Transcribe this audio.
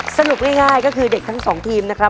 สรุปง่ายก็คือเด็กทั้งสองทีมนะครับ